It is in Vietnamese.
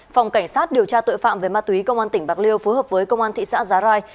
phòng cảnh sát điều tra tội phạm về ma túy công an tỉnh bạc liêu phối hợp với công an thị xã giá rai